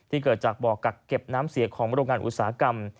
เกิดจากบ่อกักเก็บน้ำเสียของโรงงานอุตสาหกรรม